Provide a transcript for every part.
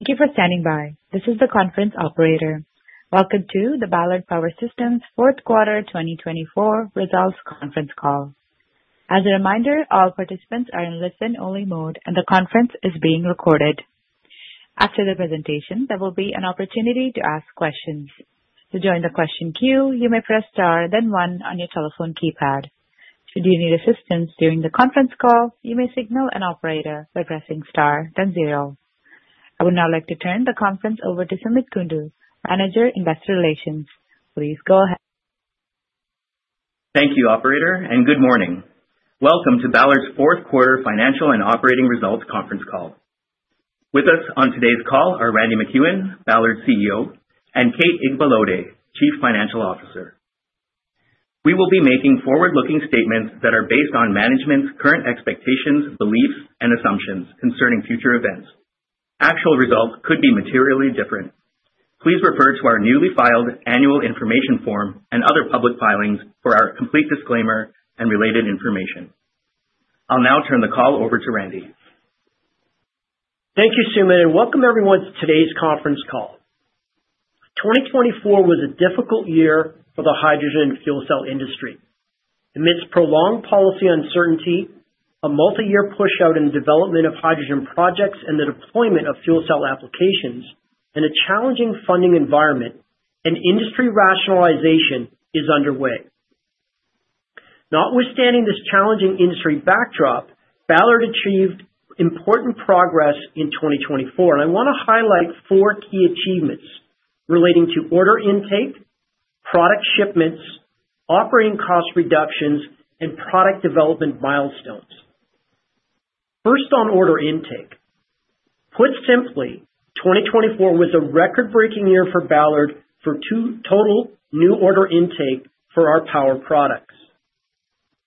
Thank you for standing by. This is the conference operator. Welcome to the Ballard Power Systems Fourth Quarter 2024 Results Conference Call. As a reminder, all participants are in listen-only mode, and the conference is being recorded. After the presentation, there will be an opportunity to ask questions. To join the question queue, you may press star, then one on your telephone keypad. Should you need assistance during the conference call, you may signal an operator by pressing star, then zero. I would now like to turn the conference over to Sumit Kundu, Manager Investor Relations. Please go ahead. Thank you, Operator, and good morning. Welcome to Ballard's Fourth Quarter Financial and Operating Results Conference Call. With us on today's call are Randy MacEwen, Ballard CEO, and Kate Igbalode, Chief Financial Officer. We will be making forward-looking statements that are based on management's current expectations, beliefs, and assumptions concerning future events. Actual results could be materially different. Please refer to our newly filed annual information form and other public filings for our complete disclaimer and related information. I'll now turn the call over to Randy. Thank you, Sumit, and welcome everyone to today's conference call. 2024 was a difficult year for the hydrogen fuel cell industry. Amidst prolonged policy uncertainty, a multi-year push-out in the development of hydrogen projects and the deployment of fuel cell applications, and a challenging funding environment, an industry rationalization is underway. Notwithstanding this challenging industry backdrop, Ballard achieved important progress in 2024, and I want to highlight four key achievements relating to order intake, product shipments, operating cost reductions, and product development milestones. First, on order intake. Put simply, 2024 was a record-breaking year for Ballard for total new order intake for our power products.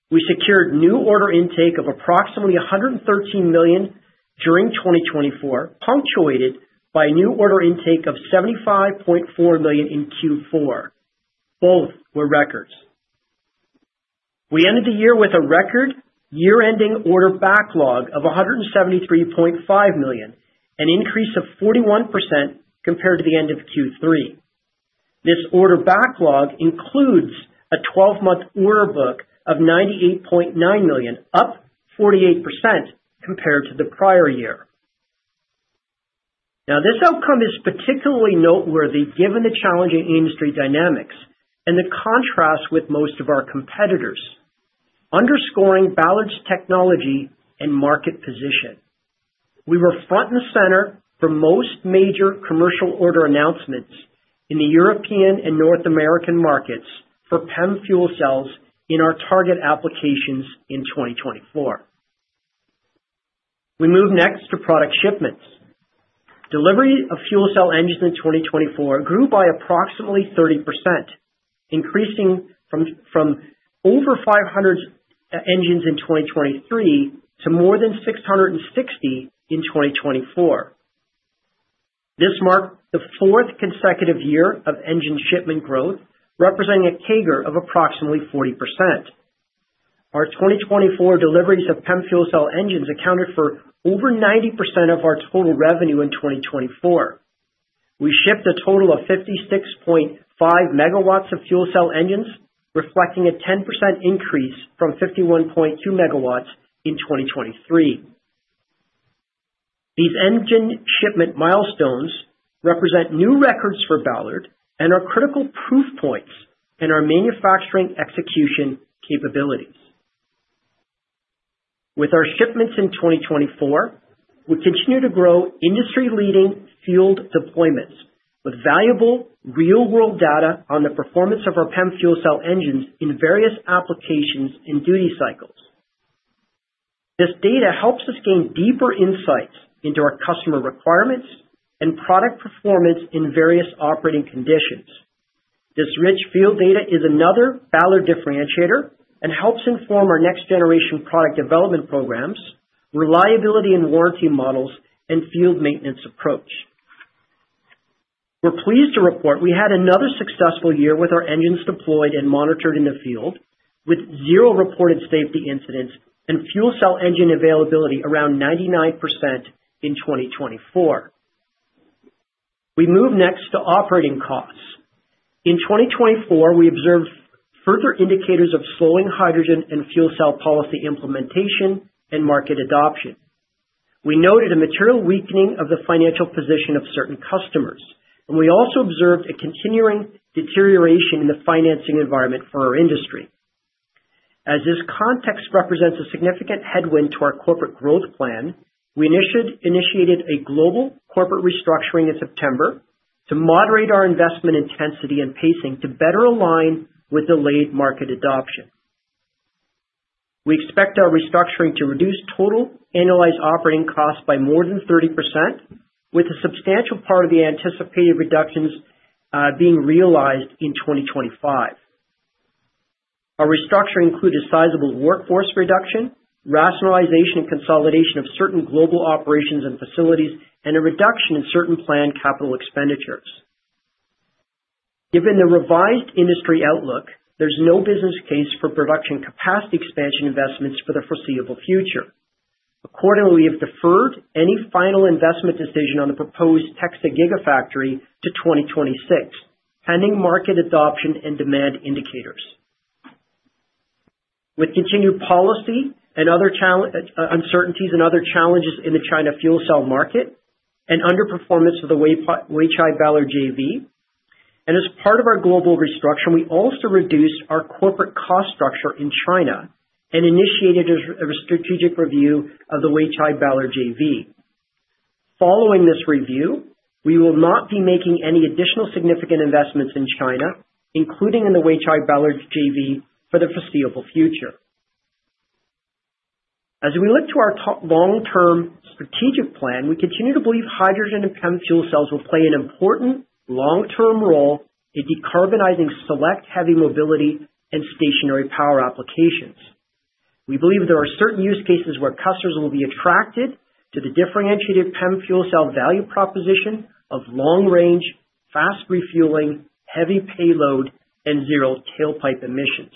We secured new order intake of approximately $113 million during 2024, punctuated by a new order intake of $75.4 million in Q4. Both were records. We ended the year with a record year-ending order backlog of $173.5 million, an increase of 41% compared to the end of Q3. This order backlog includes a 12-month order book of $98.9 million, up 48% compared to the prior year. Now, this outcome is particularly noteworthy given the challenging industry dynamics and the contrast with most of our competitors, underscoring Ballard's technology and market position. We were front and center for most major commercial order announcements in the European and North American markets for PEM fuel cells in our target applications in 2024. We move next to product shipments. Delivery of fuel cell engines in 2024 grew by approximately 30%, increasing from over 500 engines in 2023 to more than 660 in 2024. This marked the fourth consecutive year of engine shipment growth, representing a CAGR of approximately 40%. Our 2024 deliveries of PEM fuel cell engines accounted for over 90% of our total revenue in 2024. We shipped a total of 56.5 MW of fuel cell engines, reflecting a 10% increase from 51.2 MW in 2023. These engine shipment milestones represent new records for Ballard and are critical proof points in our manufacturing execution capabilities. With our shipments in 2024, we continue to grow industry-leading field deployments with valuable real-world data on the performance of our PEM fuel cell engines in various applications and duty cycles. This data helps us gain deeper insights into our customer requirements and product performance in various operating conditions. This rich field data is another Ballard differentiator and helps inform our next-generation product development programs, reliability and warranty models, and field maintenance approach. We're pleased to report we had another successful year with our engines deployed and monitored in the field, with zero reported safety incidents and fuel cell engine availability around 99% in 2024. We move next to operating costs. In 2024, we observed further indicators of slowing hydrogen and fuel cell policy implementation and market adoption. We noted a material weakening of the financial position of certain customers, and we also observed a continuing deterioration in the financing environment for our industry. As this context represents a significant headwind to our corporate growth plan, we initiated a global corporate restructuring in September to moderate our investment intensity and pacing to better align with delayed market adoption. We expect our restructuring to reduce total annualized operating costs by more than 30%, with a substantial part of the anticipated reductions being realized in 2025. Our restructuring included sizable workforce reduction, rationalization, and consolidation of certain global operations and facilities, and a reduction in certain planned capital expenditures. Given the revised industry outlook, there's no business case for production capacity expansion investments for the foreseeable future. Accordingly, we have deferred any final investment decision on the proposed Texas Gigafactory to 2026, pending market adoption and demand indicators. With continued policy and other uncertainties and other challenges in the China fuel cell market and underperformance of the Weichai Ballard JV, and as part of our global restructuring, we also reduced our corporate cost structure in China and initiated a strategic review of the Weichai Ballard JV. Following this review, we will not be making any additional significant investments in China, including in the Weichai Ballard JV, for the foreseeable future. As we look to our long-term strategic plan, we continue to believe hydrogen and PEM fuel cells will play an important long-term role in decarbonizing select heavy mobility and stationary power applications. We believe there are certain use cases where customers will be attracted to the differentiated PEM fuel cell value proposition of long-range, fast refueling, heavy payload, and zero tailpipe emissions.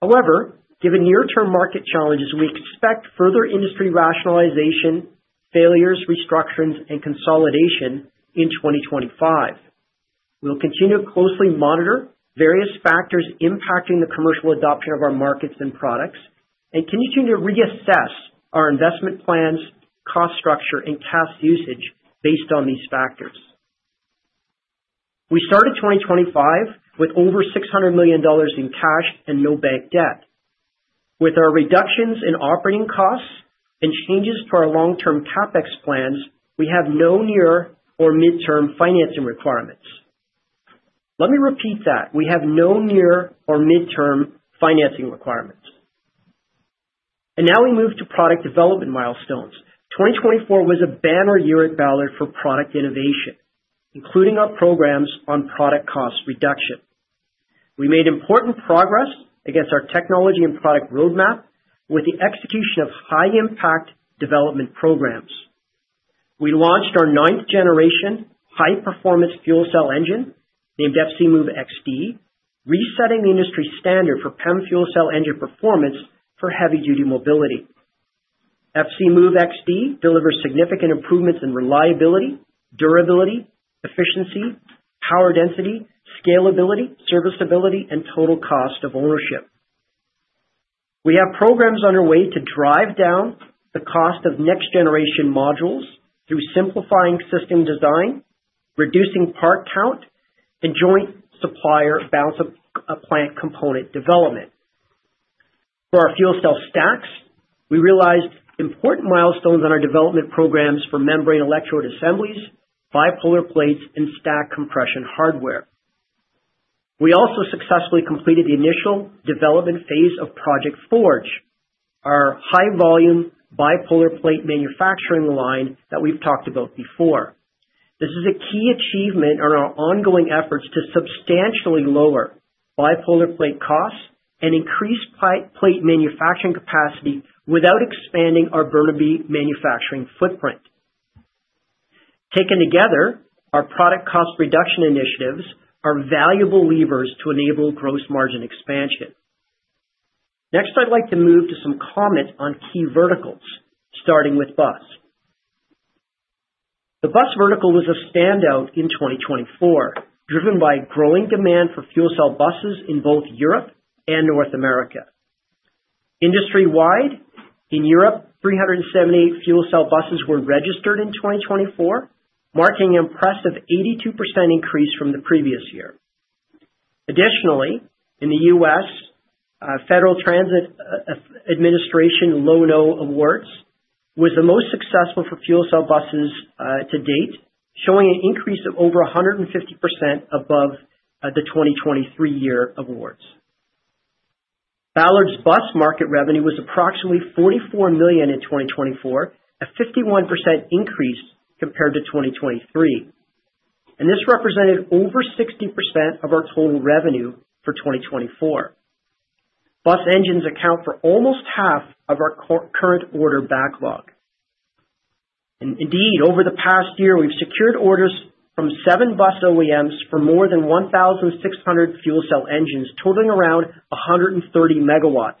However, given near-term market challenges, we expect further industry rationalization, failures, restructurings, and consolidation in 2025. We will continue to closely monitor various factors impacting the commercial adoption of our markets and products and continue to reassess our investment plans, cost structure, and cost usage based on these factors. We started 2025 with over $600 million in cash and no bank debt. With our reductions in operating costs and changes to our long-term CapEx plans, we have no near or midterm financing requirements. Let me repeat that. We have no near or midterm financing requirements. Now we move to product development milestones. 2024 was a banner year at Ballard for product innovation, including our programs on product cost reduction. We made important progress against our technology and product roadmap with the execution of high-impact development programs. We launched our ninth-generation high-performance fuel cell engine named FCmove-XD, resetting the industry standard for PEM fuel cell engine performance for heavy-duty mobility. FCmove-XD delivers significant improvements in reliability, durability, efficiency, power density, scalability, serviceability, and total cost of ownership. We have programs underway to drive down the cost of next-generation modules through simplifying system design, reducing part count, and joint supplier balance of plant component development. For our fuel cell stacks, we realized important milestones on our development programs for membrane electrode assemblies, bipolar plates, and stack compression hardware. We also successfully completed the initial development phase of Project Forge, our high-volume bipolar plate manufacturing line that we've talked about before. This is a key achievement in our ongoing efforts to substantially lower bipolar plate costs and increase plate manufacturing capacity without expanding our Burnaby manufacturing footprint. Taken together, our product cost reduction initiatives are valuable levers to enable gross margin expansion. Next, I'd like to move to some comments on key verticals, starting with bus. The bus vertical was a standout in 2024, driven by growing demand for fuel cell buses in both Europe and North America. Industry-wide, in Europe, 378 fuel cell buses were registered in 2024, marking an impressive 82% increase from the previous year. Additionally, in the U.S., Federal Transit Administration LowNo awards was the most successful for fuel cell buses to date, showing an increase of over 150% above the 2023 year awards. Ballard's bus market revenue was approximately $44 million in 2024, a 51% increase compared to 2023. This represented over 60% of our total revenue for 2024. Bus engines account for almost half of our current order backlog. Indeed, over the past year, we've secured orders from seven bus OEMs for more than 1,600 fuel cell engines, totaling around 130 MW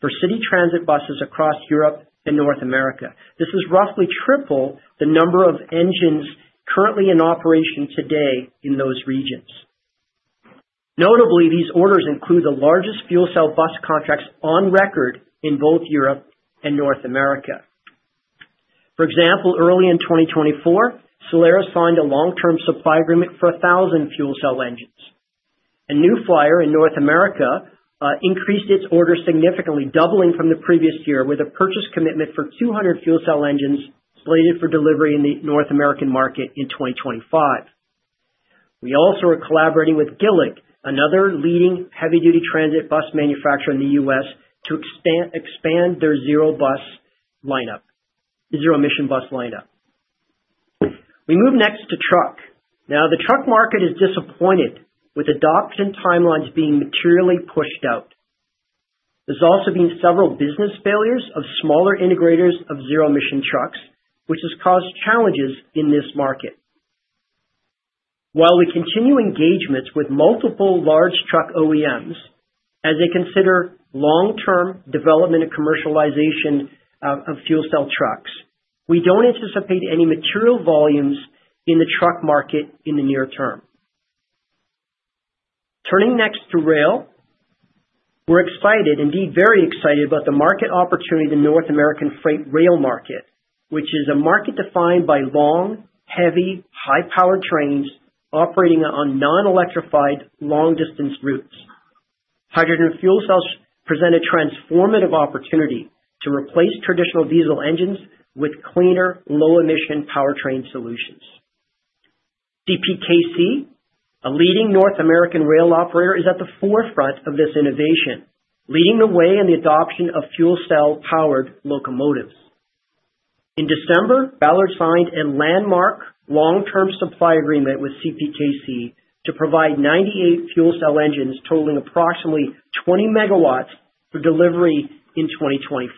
for city transit buses across Europe and North America. This is roughly triple the number of engines currently in operation today in those regions. Notably, these orders include the largest fuel cell bus contracts on record in both Europe and North America. For example, early in 2024, Solaris signed a long-term supply agreement for 1,000 fuel cell engines. New Flyer in North America increased its orders significantly, doubling from the previous year, with a purchase commitment for 200 fuel cell engines slated for delivery in the North American market in 2025. We also are collaborating with GILLIG, another leading heavy-duty transit bus manufacturer in the U.S., to expand their zero-emission bus lineup. We move next to truck. Now, the truck market is disappointed with adoption timelines being materially pushed out. There have also been several business failures of smaller integrators of zero-emission trucks, which has caused challenges in this market. While we continue engagements with multiple large truck OEMs as they consider long-term development and commercialization of fuel cell trucks, we do not anticipate any material volumes in the truck market in the near term. Turning next to rail, we're excited, indeed very excited, about the market opportunity in the North American freight rail market, which is a market defined by long, heavy, high-powered trains operating on non-electrified long-distance routes. Hydrogen fuel cells present a transformative opportunity to replace traditional diesel engines with cleaner, low-emission powertrain solutions. CPKC, a leading North American rail operator, is at the forefront of this innovation, leading the way in the adoption of fuel cell-powered locomotives. In December, Ballard signed a landmark long-term supply agreement with CPKC to provide 98 fuel cell engines totaling approximately 20 MW for delivery in 2025.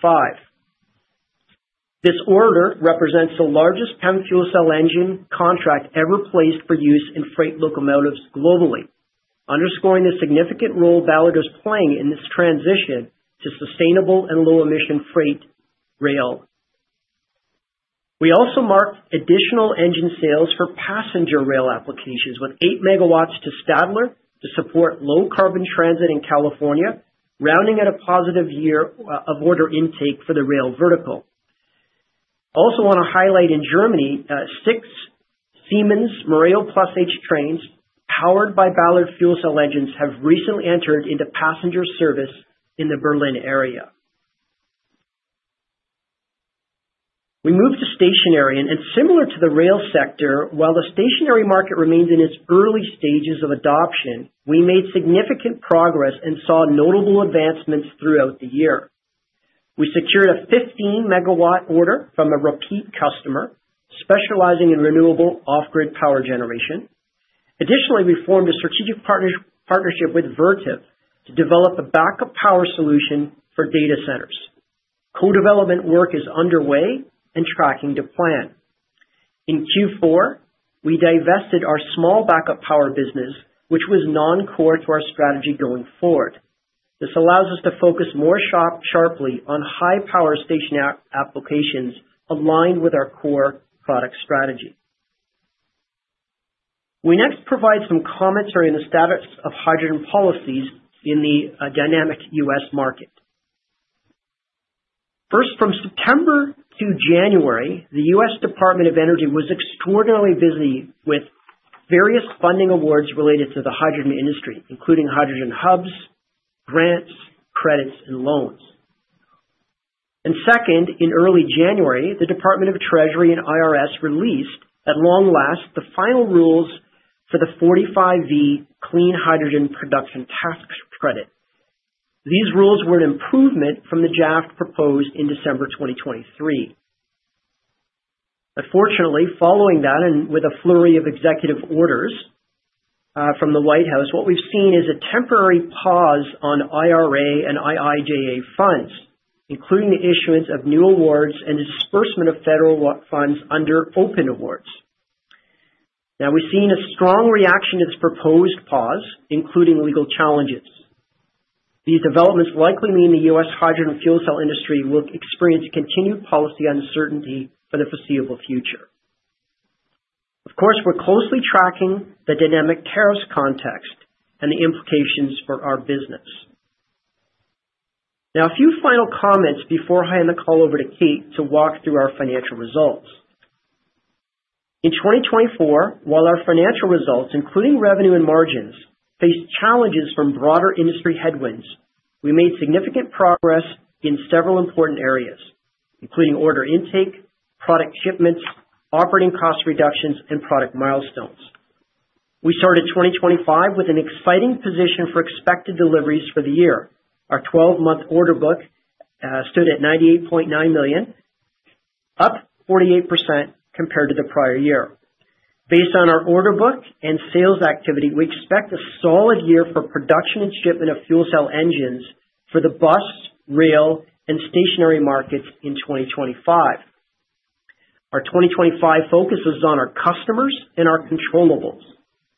This order represents the largest PEM fuel cell engine contract ever placed for use in freight locomotives globally, underscoring the significant role Ballard is playing in this transition to sustainable and low-emission freight rail. We also marked additional engine sales for passenger rail applications with 8 MW to Stadler to support low-carbon transit in California, rounding out a positive year of order intake for the rail vertical. I also want to highlight in Germany, six Siemens Mireo Plus H trains powered by Ballard fuel cell engines have recently entered into passenger service in the Berlin area. We moved to stationary, and similar to the rail sector, while the stationary market remains in its early stages of adoption, we made significant progress and saw notable advancements throughout the year. We secured a 15 MW order from a repeat customer specializing in renewable off-grid power generation. Additionally, we formed a strategic partnership with Vertiv to develop a backup power solution for data centers. Co-development work is underway and tracking to plan. In Q4, we divested our small backup power business, which was non-core to our strategy going forward. This allows us to focus more sharply on high-power station applications aligned with our core product strategy. We next provide some comments on the status of hydrogen policies in the dynamic U.S. market. First, from September to January, the U.S. Department of Energy was extraordinarily busy with various funding awards related to the hydrogen industry, including hydrogen hubs, grants, credits, and loans. Second, in early January, the Department of Treasury and IRS released, at long last, the final rules for the 45V Clean Hydrogen Production Tax Credit. These rules were an improvement from the draft proposed in December 2023. Unfortunately, following that, and with a flurry of executive orders from the White House, what we've seen is a temporary pause on IRA and IIJA funds, including the issuance of new awards and the disbursement of federal funds under open awards. Now, we've seen a strong reaction to this proposed pause, including legal challenges. These developments likely mean the U.S. hydrogen fuel cell industry will experience continued policy uncertainty for the foreseeable future. Of course, we're closely tracking the dynamic tariffs context and the implications for our business. Now, a few final comments before I hand the call over to Kate to walk through our financial results. In 2024, while our financial results, including revenue and margins, faced challenges from broader industry headwinds, we made significant progress in several important areas, including order intake, product shipments, operating cost reductions, and product milestones. We started 2025 with an exciting position for expected deliveries for the year. Our 12-month order book stood at $98.9 million, up 48% compared to the prior year. Based on our order book and sales activity, we expect a solid year for production and shipment of fuel cell engines for the bus, rail, and stationary markets in 2025. Our 2025 focus is on our customers and our controllables,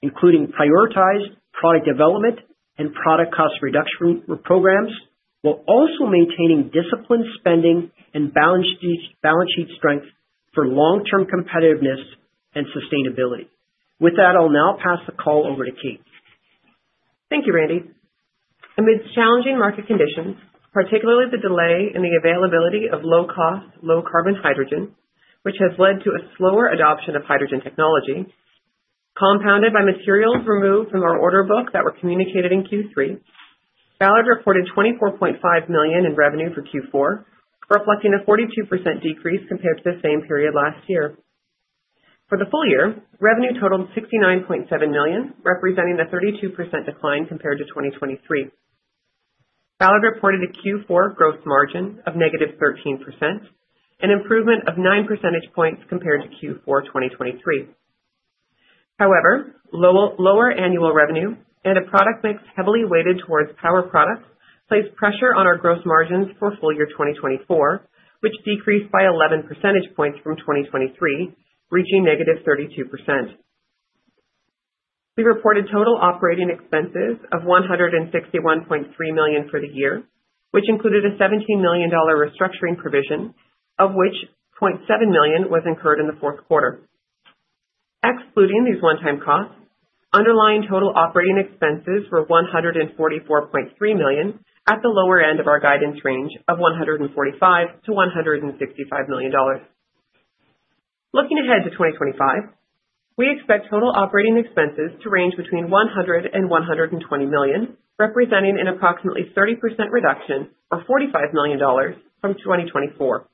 including prioritized product development and product cost reduction programs, while also maintaining disciplined spending and balance sheet strength for long-term competitiveness and sustainability. With that, I'll now pass the call over to Kate. Thank you, Randy. Amid challenging market conditions, particularly the delay in the availability of low-cost, low-carbon hydrogen, which has led to a slower adoption of hydrogen technology, compounded by materials removed from our order book that were communicated in Q3, Ballard reported $24.5 million in revenue for Q4, reflecting a 42% decrease compared to the same period last year. For the full year, revenue totaled $69.7 million, representing a 32% decline compared to 2023. Ballard reported a Q4 gross margin of negative 13%, an improvement of 9 percentage points compared to Q4 2023. However, lower annual revenue and a product mix heavily weighted towards power products placed pressure on our gross margins for full year 2024, which decreased by 11 percentage points from 2023, reaching negative 32%. We reported total operating expenses of $161.3 million for the year, which included a $17 million restructuring provision, of which $0.7 million was incurred in the fourth quarter. Excluding these one-time costs, underlying total operating expenses were $144.3 million at the lower end of our guidance range of $145 million-$165 million. Looking ahead to 2025, we expect total operating expenses to range between $100 million and $120 million, representing an approximately 30% reduction or $45 million from 2024.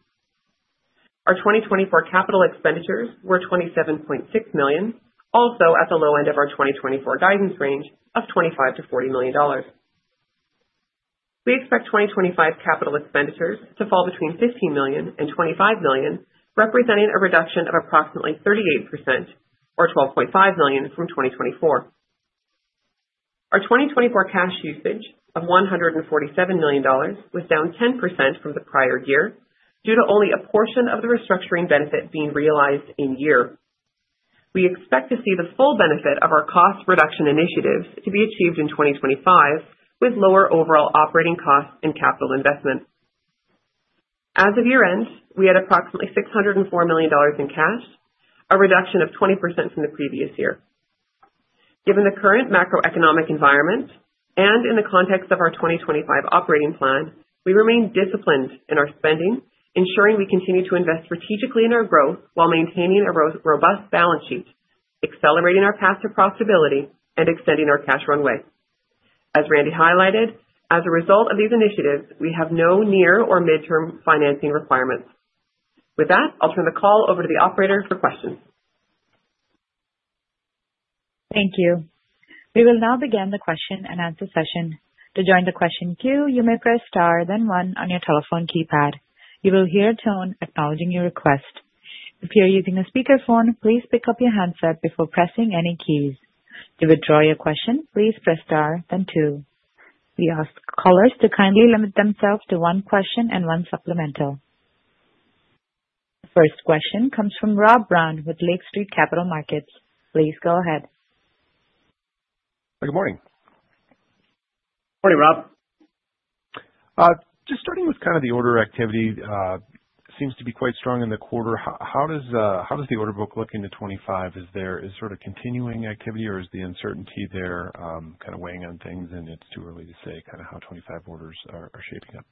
Our 2024 capital expenditures were $27.6 million, also at the low end of our 2024 guidance range of $25 million-$40 million. We expect 2025 capital expenditures to fall between $15 million and $25 million, representing a reduction of approximately 38% or $12.5 million from 2024. Our 2024 cash usage of $147 million was down 10% from the prior year due to only a portion of the restructuring benefit being realized in year. We expect to see the full benefit of our cost reduction initiatives to be achieved in 2025 with lower overall operating costs and capital investment. As of year-end, we had approximately $604 million in cash, a reduction of 20% from the previous year. Given the current macroeconomic environment and in the context of our 2025 operating plan, we remain disciplined in our spending, ensuring we continue to invest strategically in our growth while maintaining a robust balance sheet, accelerating our path to profitability, and extending our cash runway. As Randy highlighted, as a result of these initiatives, we have no near or midterm financing requirements. With that, I'll turn the call over to the operator for questions. Thank you. We will now begin the question and answer session. To join the question queue, you may press star, then one on your telephone keypad. You will hear a tone acknowledging your request. If you're using a speakerphone, please pick up your handset before pressing any keys. To withdraw your question, please press star, then two. We ask callers to kindly limit themselves to one question and one supplemental. The first question comes from Rob Brown with Lake Street Capital Markets. Please go ahead. Good morning. Morning, Rob. Just starting with kind of the order activity seems to be quite strong in the quarter. How does the order book look into 2025? Is there sort of continuing activity, or is the uncertainty there kind of weighing on things, and it's too early to say kind of how 2025 orders are shaping up?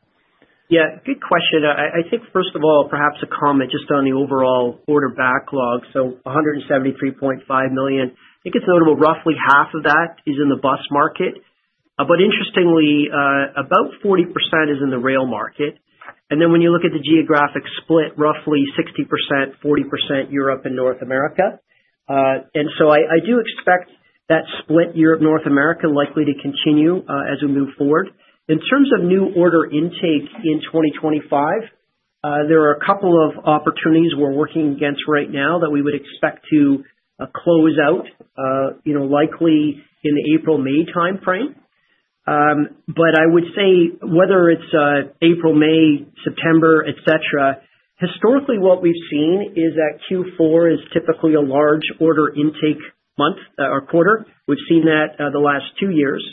Yeah, good question. I think, first of all, perhaps a comment just on the overall order backlog. So $173.5 million, I think it's notable roughly half of that is in the bus market. But interestingly, about 40% is in the rail market. And then when you look at the geographic split, roughly 60%-40% Europe and North America. And so I do expect that split Europe-North America likely to continue as we move forward. In terms of new order intake in 2025, there are a couple of opportunities we're working against right now that we would expect to close out likely in the April-May timeframe. But I would say whether it's April, May, September, etc., historically, what we've seen is that Q4 is typically a large order intake month or quarter. We've seen that the last two years.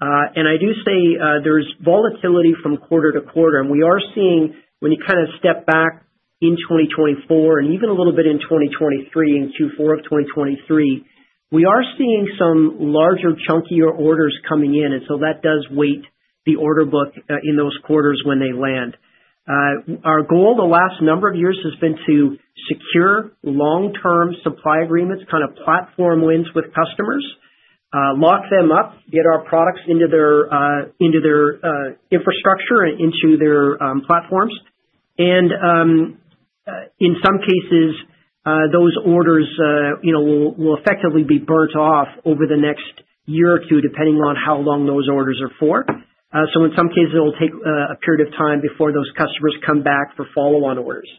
And I do say there's volatility from quarter to quarter. We are seeing, when you kind of step back in 2024 and even a little bit in 2023, in Q4 of 2023, we are seeing some larger, chunkier orders coming in. That does weight the order book in those quarters when they land. Our goal the last number of years has been to secure long-term supply agreements, kind of platform wins with customers, lock them up, get our products into their infrastructure and into their platforms. In some cases, those orders will effectively be burnt off over the next year or two, depending on how long those orders are for. In some cases, it will take a period of time before those customers come back for follow-on orders.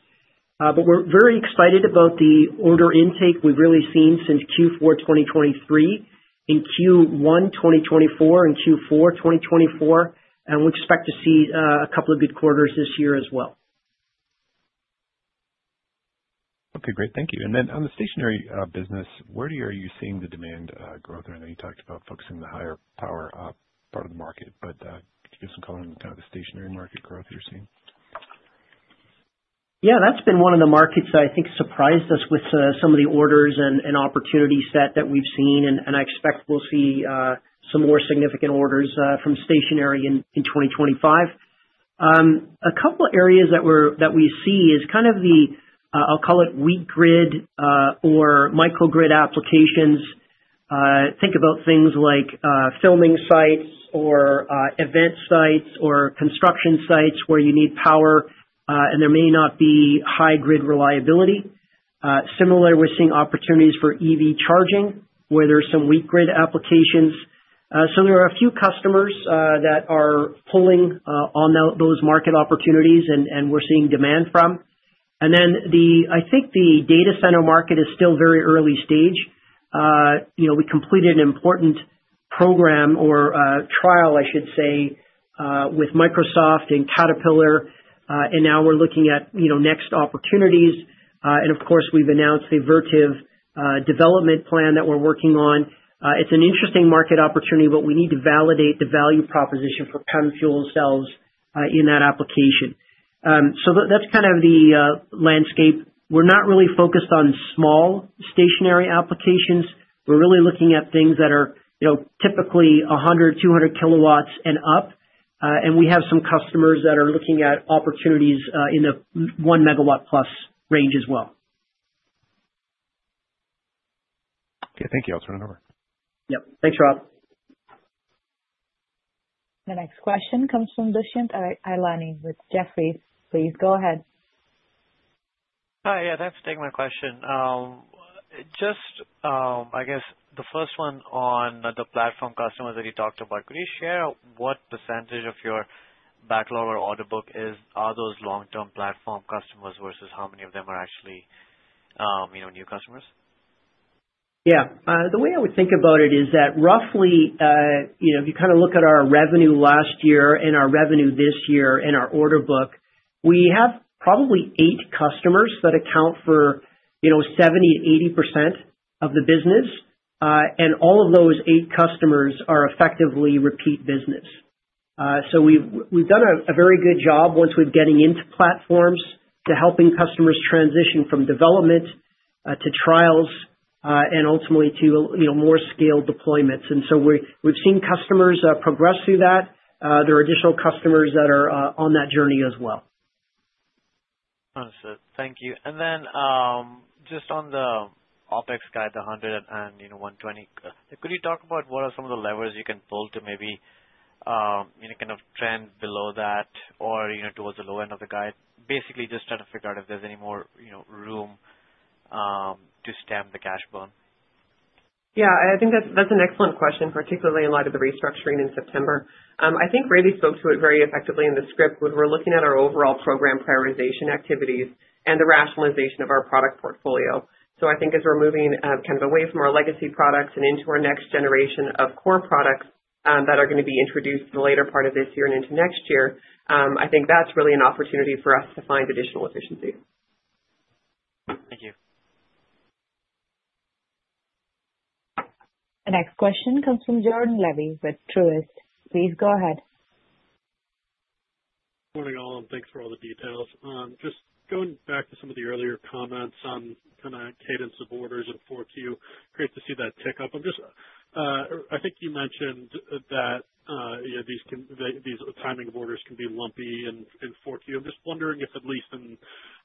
We are very excited about the order intake we have really seen since Q4 2023 and Q1 2024 and Q4 2024. We expect to see a couple of good quarters this year as well. Okay, great. Thank you. On the stationary business, where do you see the demand growth? I know you talked about focusing the higher power part of the market, but could you give some color on kind of the stationary market growth you're seeing? Yeah, that's been one of the markets that I think surprised us with some of the orders and opportunities that we've seen. I expect we'll see some more significant orders from stationary in 2025. A couple of areas that we see is kind of the, I'll call it, weak grid or microgrid applications. Think about things like filming sites or event sites or construction sites where you need power, and there may not be high grid reliability. Similarly, we're seeing opportunities for EV charging, where there are some weak grid applications. There are a few customers that are pulling on those market opportunities, and we're seeing demand from. I think the data center market is still very early stage. We completed an important program or trial, I should say, with Microsoft and Caterpillar. We are now looking at next opportunities. Of course, we've announced the Vertiv development plan that we're working on. It's an interesting market opportunity, but we need to validate the value proposition for PEM fuel cells in that application. That's kind of the landscape. We're not really focused on small stationary applications. We're really looking at things that are typically 100-200 kW and up. We have some customers that are looking at opportunities in the 1 megawatt-plus range as well. Okay, thank you. I'll turn it over. Yep. Thanks, Rob. The next question comes from Dushyant Ailani with Jefferies. Please go ahead. Hi, yeah, thanks for taking my question. Just, I guess, the first one on the platform customers that you talked about. Could you share what percentage of your backlog or order book are those long-term platform customers versus how many of them are actually new customers? Yeah. The way I would think about it is that roughly, if you kind of look at our revenue last year and our revenue this year and our order book, we have probably eight customers that account for 70%-80% of the business. And all of those eight customers are effectively repeat business. We have done a very good job once we are getting into platforms to helping customers transition from development to trials and ultimately to more scaled deployments. We have seen customers progress through that. There are additional customers that are on that journey as well. Thank you. Just on the OpEx guide, the 100 and 120, could you talk about what are some of the levers you can pull to maybe kind of trend below that or towards the low end of the guide? Basically, just trying to figure out if there is any more room to stamp the cash burn. I think that is an excellent question, particularly in light of the restructuring in September. I think Randy spoke to it very effectively in the script when we are looking at our overall program prioritization activities and the rationalization of our product portfolio. I think as we're moving kind of away from our legacy products and into our next generation of core products that are going to be introduced in the later part of this year and into next year, I think that's really an opportunity for us to find additional efficiencies. Thank you. The next question comes from Jordan Levy with Truist. Please go ahead. Morning, all, and thanks for all the details. Just going back to some of the earlier comments on kind of cadence of orders in Q4, great to see that tick up. I think you mentioned that these timing of orders can be lumpy in Q4. I'm just wondering if at least in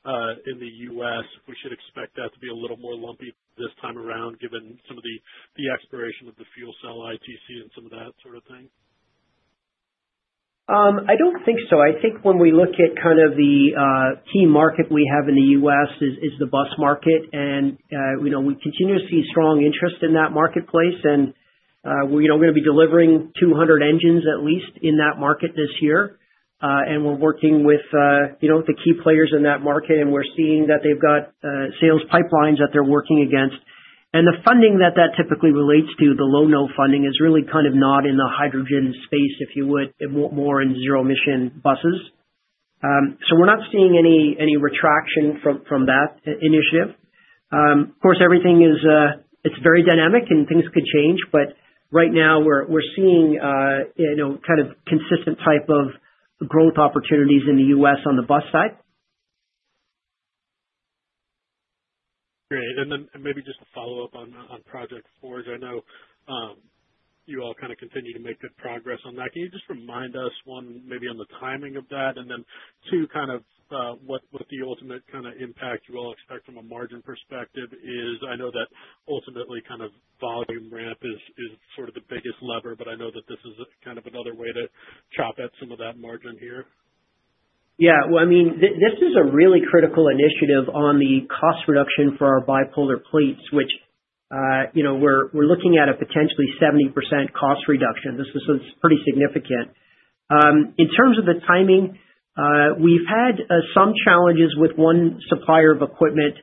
the U.S., we should expect that to be a little more lumpy this time around, given some of the expiration of the fuel cell ITC and some of that sort of thing. I don't think so. I think when we look at kind of the key market we have in the U.S. is the bus market. We continue to see strong interest in that marketplace. We're going to be delivering 200 engines at least in that market this year. We're working with the key players in that market, and we're seeing that they've got sales pipelines that they're working against. The funding that that typically relates to, the low-no funding, is really kind of not in the hydrogen space, if you would, more in zero-emission buses. We're not seeing any retraction from that initiative. Of course, everything is very dynamic, and things could change. Right now, we're seeing kind of consistent type of growth opportunities in the U.S. on the bus side. Great. Maybe just a follow-up on Project Forge, because I know you all kind of continue to make good progress on that. Can you just remind us, one, maybe on the timing of that, and then, two, kind of what the ultimate kind of impact you all expect from a margin perspective is? I know that ultimately kind of volume ramp is sort of the biggest lever, but I know that this is kind of another way to chop at some of that margin here. Yeah. I mean, this is a really critical initiative on the cost reduction for our bipolar plates, which we're looking at a potentially 70% cost reduction. This is pretty significant. In terms of the timing, we've had some challenges with one supplier of equipment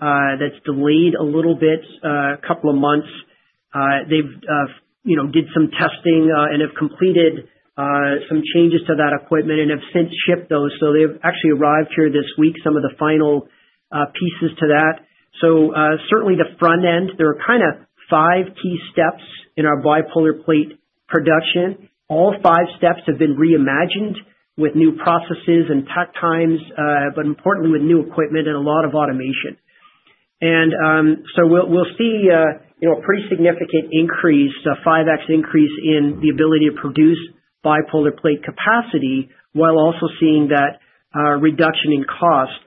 that's delayed a little bit, a couple of months. They did some testing and have completed some changes to that equipment and have since shipped those. They've actually arrived here this week, some of the final pieces to that. Certainly the front end, there are kind of five key steps in our bipolar plate production. All five steps have been reimagined with new processes and tech times, but importantly, with new equipment and a lot of automation. We will see a pretty significant increase, a 5X increase in the ability to produce bipolar plate capacity while also seeing that reduction in cost.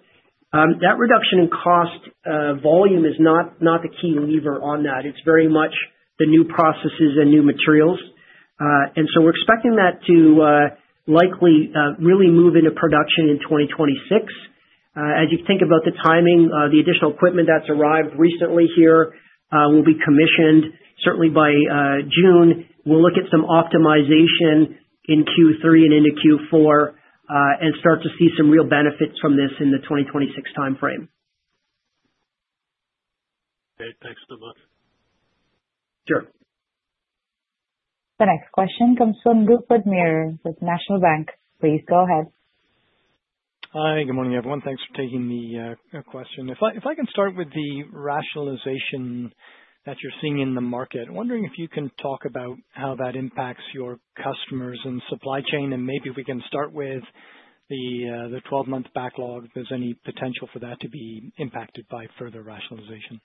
That reduction in cost volume is not the key lever on that. It's very much the new processes and new materials. We're expecting that to likely really move into production in 2026. As you think about the timing, the additional equipment that's arrived recently here will be commissioned certainly by June. We'll look at some optimization in Q3 and into Q4 and start to see some real benefits from this in the 2026 timeframe. Okay, thanks so much. Sure. The next question comes from Rupert Merer with National Bank. Please go ahead. Hi, good morning, everyone. Thanks for taking the question. If I can start with the rationalization that you're seeing in the market, wondering if you can talk about how that impacts your customers and supply chain. And maybe we can start with the 12-month backlog, if there's any potential for that to be impacted by further rationalization.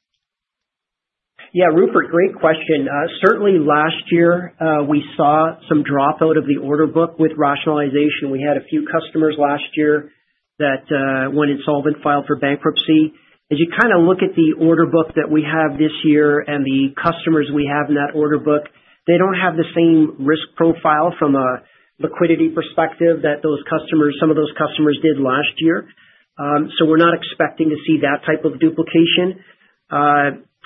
Yeah, Rupert, great question. Certainly, last year, we saw some dropout of the order book with rationalization. We had a few customers last year that went insolvent and filed for bankruptcy. As you kind of look at the order book that we have this year and the customers we have in that order book, they do not have the same risk profile from a liquidity perspective that some of those customers did last year. We are not expecting to see that type of duplication.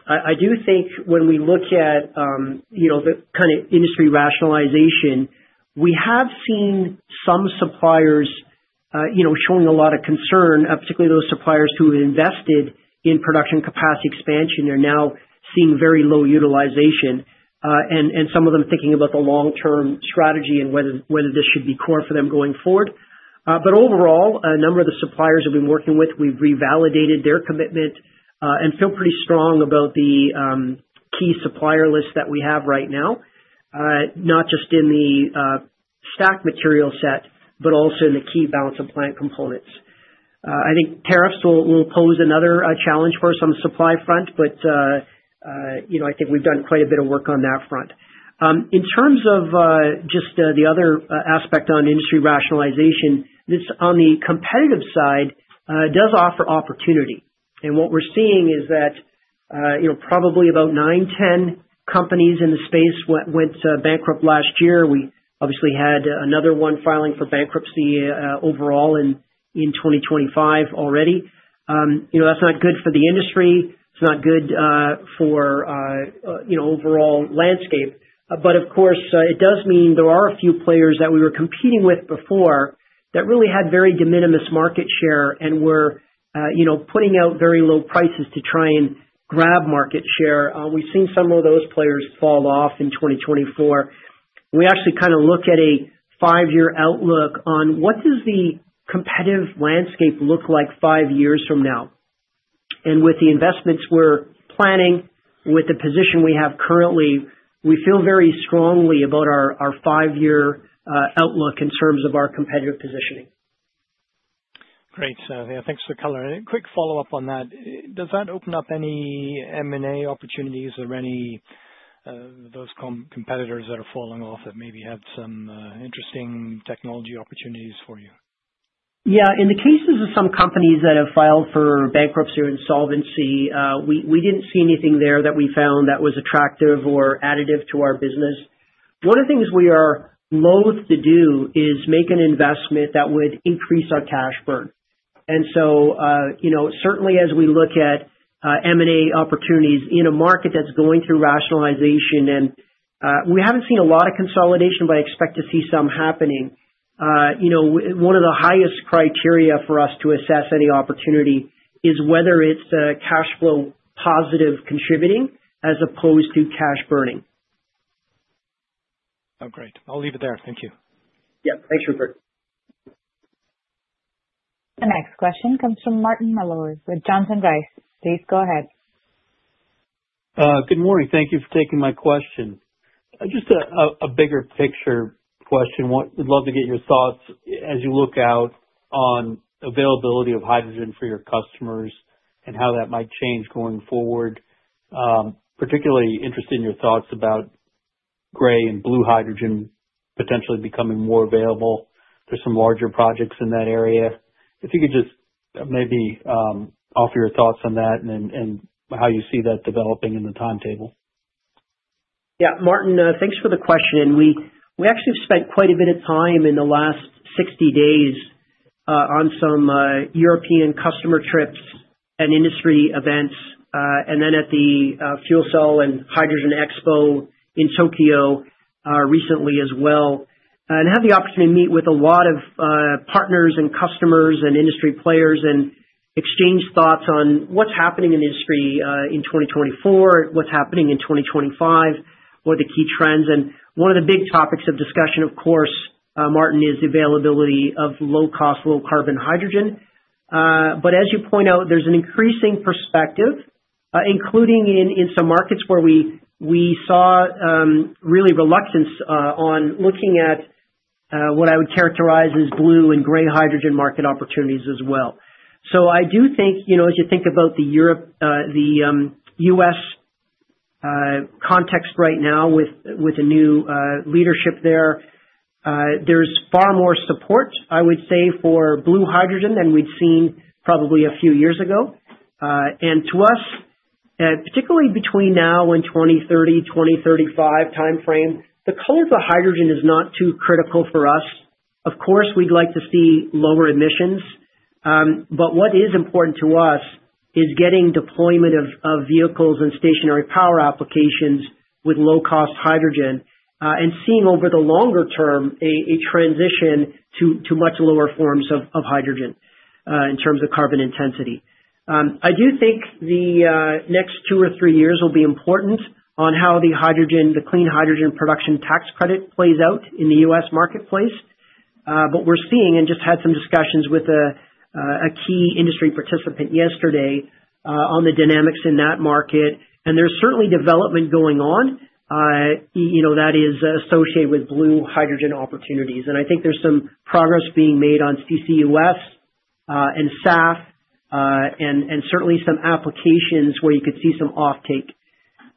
I do think when we look at the kind of industry rationalization, we have seen some suppliers showing a lot of concern, particularly those suppliers who have invested in production capacity expansion. They are now seeing very low utilization. Some of them are thinking about the long-term strategy and whether this should be core for them going forward. Overall, a number of the suppliers we've been working with, we've revalidated their commitment and feel pretty strong about the key supplier list that we have right now, not just in the stack material set, but also in the key balance of plant components. I think tariffs will pose another challenge for some supply front, but I think we've done quite a bit of work on that front. In terms of just the other aspect on industry rationalization, on the competitive side, it does offer opportunity. What we're seeing is that probably about 9-10 companies in the space went bankrupt last year. We obviously had another one filing for bankruptcy overall in 2025 already. That's not good for the industry. It's not good for overall landscape. Of course, it does mean there are a few players that we were competing with before that really had very de minimis market share and were putting out very low prices to try and grab market share. We've seen some of those players fall off in 2024. We actually kind of look at a five-year outlook on what does the competitive landscape look like five years from now. With the investments we're planning, with the position we have currently, we feel very strongly about our five-year outlook in terms of our competitive positioning. Great. Yeah, thanks for the color. A quick follow-up on that. Does that open up any M&A opportunities or any of those competitors that are falling off that maybe have some interesting technology opportunities for you? Yeah. In the cases of some companies that have filed for bankruptcy or insolvency, we did not see anything there that we found that was attractive or additive to our business. One of the things we are loath to do is make an investment that would increase our cash burn. Certainly, as we look at M&A opportunities in a market that is going through rationalization, and we have not seen a lot of consolidation, but I expect to see some happening. One of the highest criteria for us to assess any opportunity is whether it is the cash flow positive contributing as opposed to cash burning. Oh, great. I will leave it there. Thank you. Yep. Thanks, Rupert. The next question comes from Martin Malloy with Johnson Rice. Please go ahead. Good morning. Thank you for taking my question. Just a bigger picture question. We'd love to get your thoughts as you look out on availability of hydrogen for your customers and how that might change going forward. Particularly interested in your thoughts about gray and blue hydrogen potentially becoming more available. There's some larger projects in that area. If you could just maybe offer your thoughts on that and how you see that developing in the timetable. Yeah. Martin, thanks for the question. We actually have spent quite a bit of time in the last 60 days on some European customer trips and industry events, and at the Fuel Cell and Hydrogen Expo in Tokyo recently as well. I had the opportunity to meet with a lot of partners and customers and industry players and exchange thoughts on what's happening in the industry in 2024, what's happening in 2025, what are the key trends. One of the big topics of discussion, of course, Martin, is the availability of low-cost, low-carbon hydrogen. As you point out, there's an increasing perspective, including in some markets where we saw really reluctance on looking at what I would characterize as blue and gray hydrogen market opportunities as well. I do think, as you think about the U.S. context right now with the new leadership there, there's far more support, I would say, for blue hydrogen than we'd seen probably a few years ago. To us, particularly between now and 2030-2035 timeframe, the color of the hydrogen is not too critical for us. Of course, we'd like to see lower emissions. What is important to us is getting deployment of vehicles and stationary power applications with low-cost hydrogen and seeing over the longer term a transition to much lower forms of hydrogen in terms of carbon intensity. I do think the next two or three years will be important on how the clean hydrogen production tax credit plays out in the U.S. marketplace. We are seeing and just had some discussions with a key industry participant yesterday on the dynamics in that market. There is certainly development going on that is associated with blue hydrogen opportunities. I think there is some progress being made on CCUS and SAF and certainly some applications where you could see some offtake.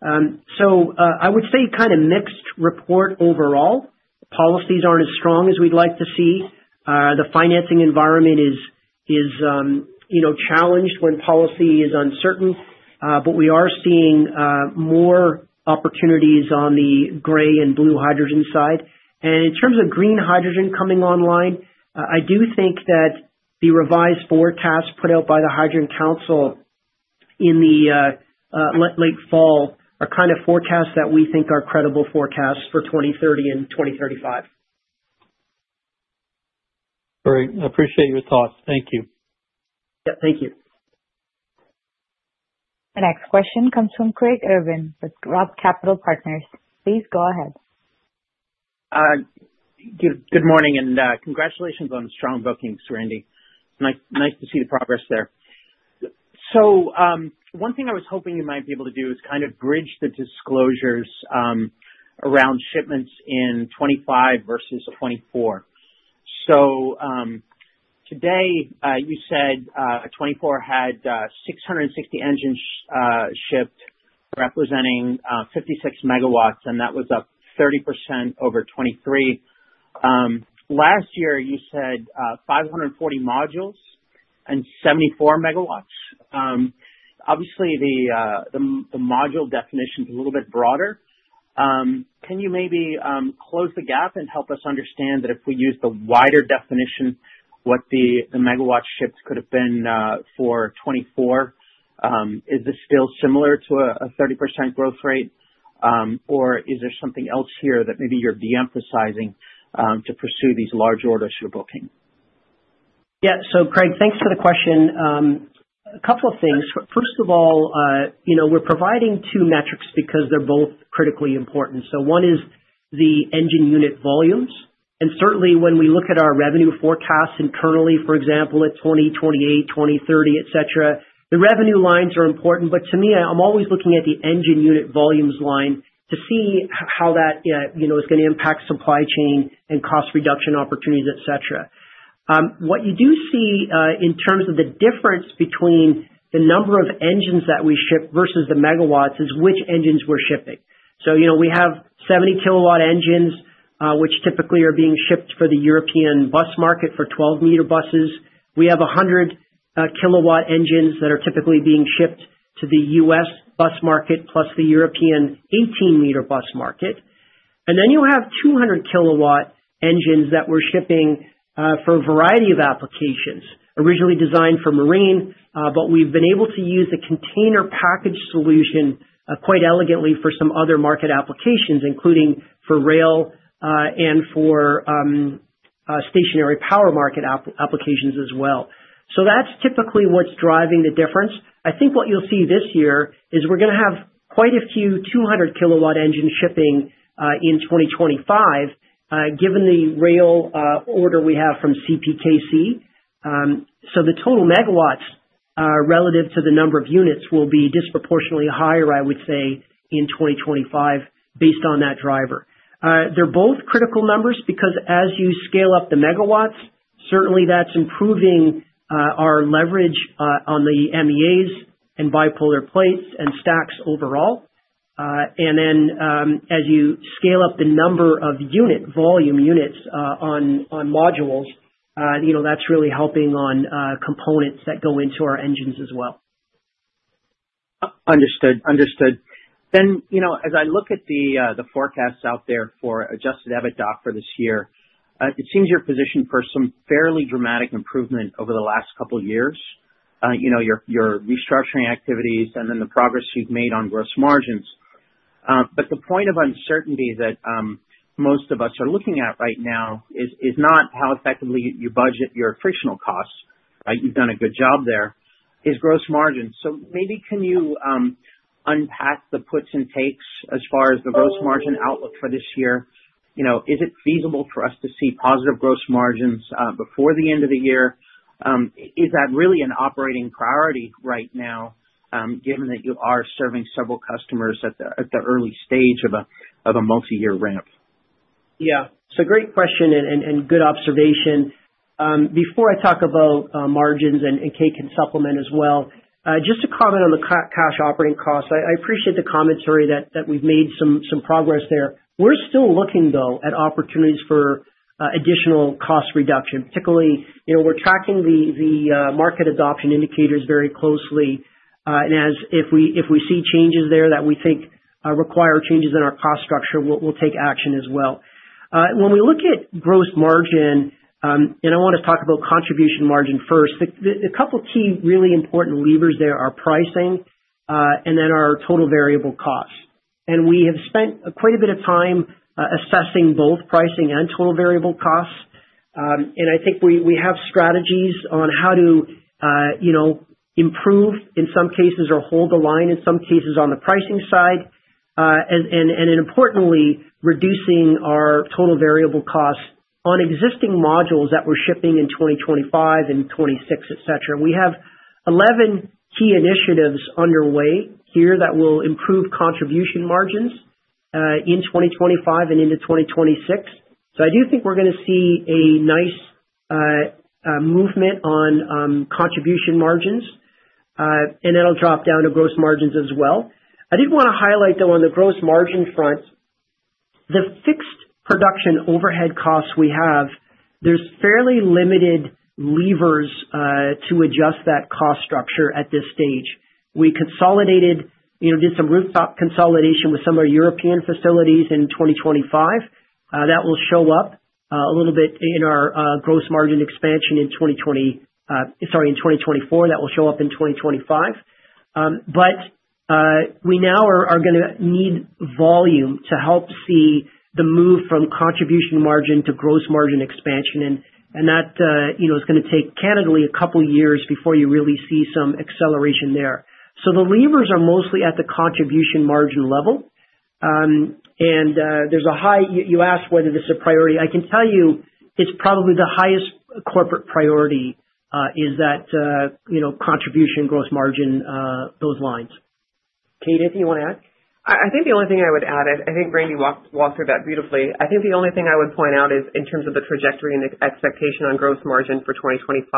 I would say kind of mixed report overall. Policies are not as strong as we would like to see. The financing environment is challenged when policy is uncertain. We are seeing more opportunities on the gray and blue hydrogen side. In terms of green hydrogen coming online, I do think that the revised forecast put out by the Hydrogen Council in the late fall are kind of forecasts that we think are credible forecasts for 2030 and 2035. Great. I appreciate your thoughts. Thank you. Yep. Thank you. The next question comes from Craig Irwin with ROTH Capital Partners. Please go ahead. Good morning and congratulations on strong bookings, Randy. Nice to see the progress there. One thing I was hoping you might be able to do is kind of bridge the disclosures around shipments in 2025 versus 2024. Today, you said 2024 had 660 engines shipped representing 56 MW, and that was up 30% over 2023. Last year, you said 540 modules and 74 MW. Obviously, the module definition is a little bit broader. Can you maybe close the gap and help us understand that if we use the wider definition, what the megawatt ships could have been for 2024? Is this still similar to a 30% growth rate, or is there something else here that maybe you're de-emphasizing to pursue these large orders you're booking? Yeah. Craig, thanks for the question. A couple of things. First of all, we're providing two metrics because they're both critically important. One is the engine unit volumes. Certainly, when we look at our revenue forecasts internally, for example, at 2028, 2030, etc., the revenue lines are important. To me, I'm always looking at the engine unit volumes line to see how that is going to impact supply chain and cost reduction opportunities, etc. What you do see in terms of the difference between the number of engines that we ship versus the megawatts is which engines we're shipping. We have 70 kW engines, which typically are being shipped for the European bus market for 12 m buses. We have 100 kW engines that are typically being shipped to the U.S. bus market plus the European 18 m bus market. You have 200 kW engines that we're shipping for a variety of applications. Originally designed for marine, but we've been able to use the container package solution quite elegantly for some other market applications, including for rail and for stationary power market applications as well. That's typically what's driving the difference. I think what you'll see this year is we're going to have quite a few 200 kW engines shipping in 2025, given the rail order we have from CPKC. The total megawatts relative to the number of units will be disproportionately higher, I would say, in 2025 based on that driver. They're both critical numbers because as you scale up the megawatts, certainly that's improving our leverage on the MEAs and bipolar plates and stacks overall. As you scale up the number of volume units on modules, that's really helping on components that go into our engines as well. Understood. Understood. As I look at the forecasts out there for Adjusted EBITDA for this year, it seems your position for some fairly dramatic improvement over the last couple of years, your restructuring activities, and the progress you've made on gross margins. The point of uncertainty that most of us are looking at right now is not how effectively you budget your frictional costs. You've done a good job there. Is gross margin? Maybe can you unpack the puts and takes as far as the gross margin outlook for this year? Is it feasible for us to see positive gross margins before the end of the year? Is that really an operating priority right now, given that you are serving several customers at the early stage of a multi-year ramp? Yeah. It's a great question and good observation. Before I talk about margins and Kate can supplement as well, just to comment on the cash operating costs, I appreciate the commentary that we've made some progress there. We're still looking, though, at opportunities for additional cost reduction. Particularly, we're tracking the market adoption indicators very closely. If we see changes there that we think require changes in our cost structure, we'll take action as well. When we look at gross margin, and I want to talk about contribution margin first, a couple of key really important levers there are pricing and then our total variable costs. We have spent quite a bit of time assessing both pricing and total variable costs. I think we have strategies on how to improve in some cases or hold the line in some cases on the pricing side. Importantly, reducing our total variable costs on existing modules that we're shipping in 2025 and 2026, etc. We have 11 key initiatives underway here that will improve contribution margins in 2025 and into 2026. I do think we're going to see a nice movement on contribution margins. That'll drop down to gross margins as well. I did want to highlight, though, on the gross margin front, the fixed production overhead costs we have, there's fairly limited levers to adjust that cost structure at this stage. We consolidated, did some rooftop consolidation with some of our European facilities in 2025. That will show up a little bit in our gross margin expansion in 2020, sorry, in 2024. That will show up in 2025. We now are going to need volume to help see the move from contribution margin to gross margin expansion. That is going to take candidly a couple of years before you really see some acceleration there. The levers are mostly at the contribution margin level. You asked whether this is a priority. I can tell you it's probably the highest corporate priority is that contribution gross margin, those lines. Kate, if you want to add? I think the only thing I would add, I think Randy walked through that beautifully. I think the only thing I would point out is in terms of the trajectory and expectation on gross margin for 2025.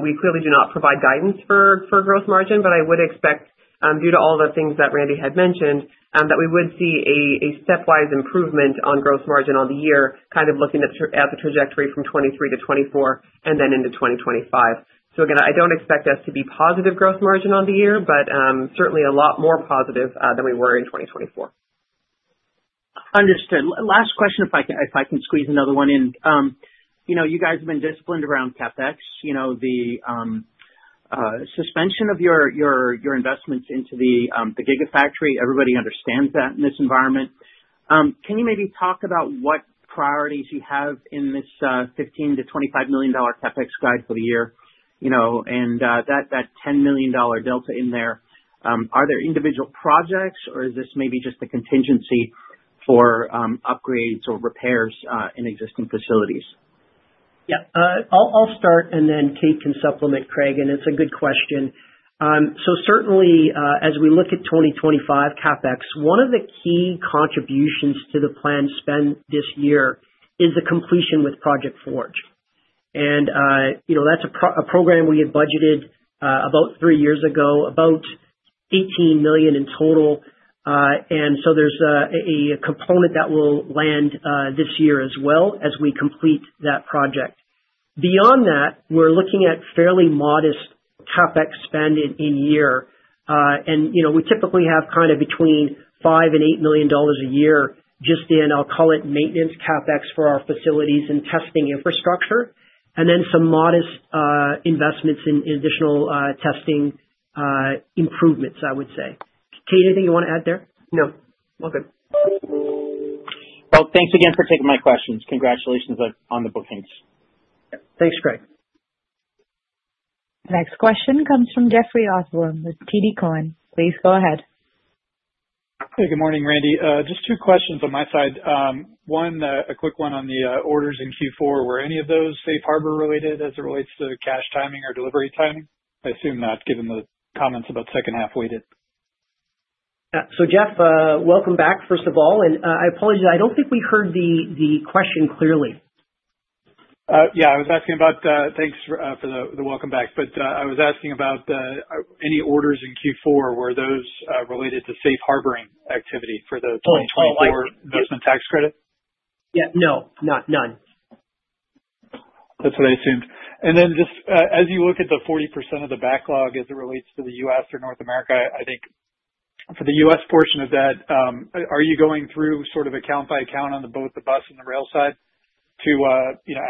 We clearly do not provide guidance for gross margin, but I would expect, due to all the things that Randy had mentioned, that we would see a stepwise improvement on gross margin on the year, kind of looking at the trajectory from 2023 to 2024 and then into 2025. I do not expect us to be positive gross margin on the year, but certainly a lot more positive than we were in 2024. Understood. Last question, if I can squeeze another one in. You guys have been disciplined around CapEx. The suspension of your investments into the Gigafactory, everybody understands that in this environment. Can you maybe talk about what priorities you have in this $15 million-$25 million CapEx guide for the year and that $10 million delta in there? Are there individual projects, or is this maybe just a contingency for upgrades or repairs in existing facilities? Yeah. I'll start, and then Kate can supplement, Craig. And it's a good question. Certainly, as we look at 2025 CapEx, one of the key contributions to the planned spend this year is the completion with Project Forge. That's a program we had budgeted about three years ago, about $18 million in total. There's a component that will land this year as well as we complete that project. Beyond that, we're looking at fairly modest CapEx spend in year. We typically have kind of between $5 million and $8 million a year just in, I'll call it, maintenance CapEx for our facilities and testing infrastructure, and then some modest investments in additional testing improvements, I would say. Kate, anything you want to add there? No. All good. Thanks again for taking my questions. Congratulations on the bookings. Thanks, Craig. The next question comes from Jeffrey Osborne with TD Cowen. Please go ahead. Hey, good morning, Randy. Just two questions on my side. One, a quick one on the orders in Q4. Were any of those safe harbor related as it relates to cash timing or delivery timing? I assume not, given the comments about second half we did. Jeff, welcome back, first of all. I apologize. I do not think we heard the question clearly. Yeah. I was asking about thanks for the welcome back. I was asking about any orders in Q4. Were those related to safe harboring activity for the 2024 investment tax credit? Yeah. No. None. That's what I assumed. As you look at the 40% of the backlog as it relates to the U.S. or North America, I think for the U.S. portion of that, are you going through sort of account by account on both the bus and the rail side to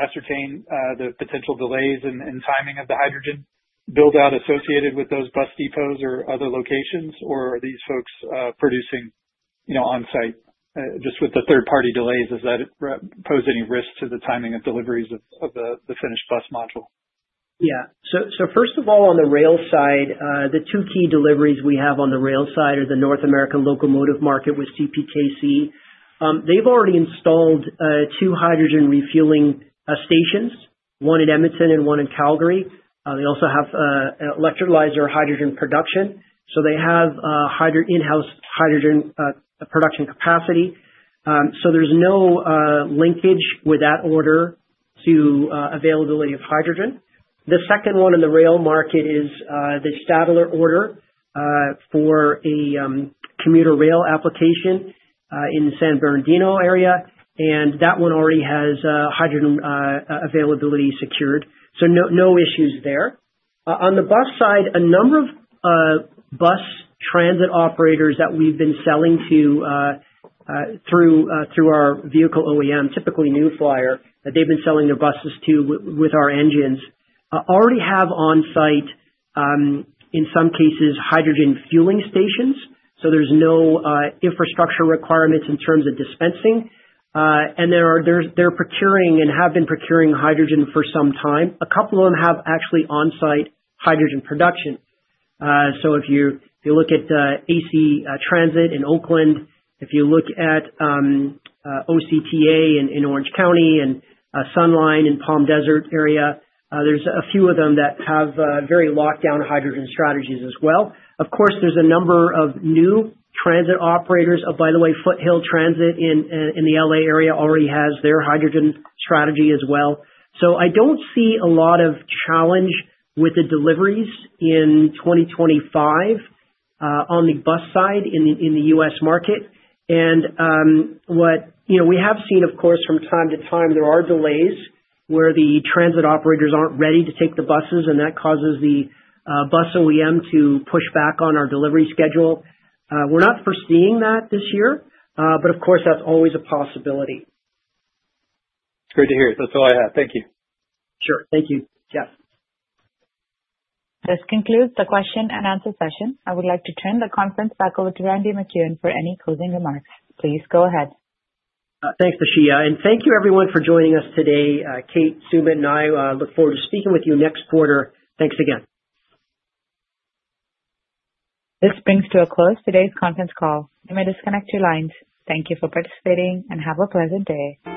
ascertain the potential delays in timing of the hydrogen build-out associated with those bus depots or other locations? Are these folks producing on-site just with the third-party delays? Does that pose any risk to the timing of deliveries of the finished bus module? Yeah. First of all, on the rail side, the two key deliveries we have on the rail side are the North American locomotive market with CPKC. They've already installed two hydrogen refueling stations, one in Edmonton and one in Calgary. They also have electrolyzer hydrogen production. They have in-house hydrogen production capacity. There's no linkage with that order to availability of hydrogen. The second one in the rail market is the Stadler order for a commuter rail application in the San Bernardino area. That one already has hydrogen availability secured. No issues there. On the bus side, a number of bus transit operators that we've been selling to through our vehicle OEM, typically New Flyer, that they've been selling their buses to with our engines, already have on-site, in some cases, hydrogen fueling stations. There's no infrastructure requirements in terms of dispensing. They're procuring and have been procuring hydrogen for some time. A couple of them have actually on-site hydrogen production. If you look at AC Transit in Oakland, if you look at OCTA in Orange County and SunLine in Palm Desert area, there's a few of them that have very locked down hydrogen strategies as well. Of course, there's a number of new transit operators. By the way, Foothill Transit in the LA area already has their hydrogen strategy as well. I don't see a lot of challenge with the deliveries in 2025 on the bus side in the U.S. market. What we have seen, of course, from time to time, there are delays where the transit operators aren't ready to take the buses, and that causes the bus OEM to push back on our delivery schedule. We're not foreseeing that this year, but of course, that's always a possibility. It's great to hear. That's all I have. Thank you. Sure. Thank you. Yeah. This concludes the question and answer session. I would like to turn the conference back over to Randy MacEwen for any closing remarks. Please go ahead. Thanks, Ashiya. Thank you, everyone, for joining us today. Kate, Sumit, and I look forward to speaking with you next quarter. Thanks again. This brings to a close today's conference call. You may disconnect your lines. Thank you for participating and have a pleasant day.